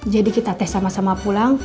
jadi kita teh sama sama pulang